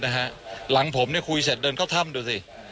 ท่ำมันมืดนะฮะหลังผมนี่คุยเสร็จเดินเข้าท่ำดูสิ